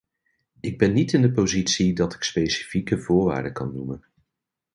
Ik ben niet in de positie dat ik specifieke voorwaarden kan noemen.